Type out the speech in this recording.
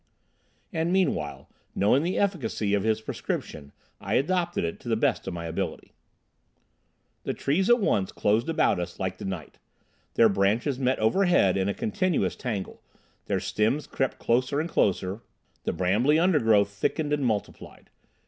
And meanwhile, knowing the efficacy of his prescription, I adopted it to the best of my ability. The trees at once closed about us like the night. Their branches met overhead in a continuous tangle, their stems crept closer and closer, the brambly undergrowth thickened and multiplied.